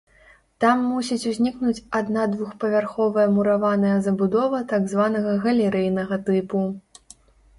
Там мусіць узнікнуць адна-двухпавярховая мураваная забудова так званага галерэйнага тыпу.